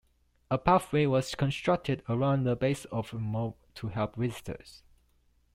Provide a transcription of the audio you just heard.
A pathway was constructed around the base of the mound to help visitors.